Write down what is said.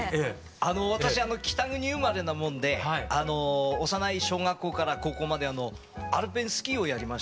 私北国生まれなもんで幼い小学校から高校までアルペンスキーをやりましたので。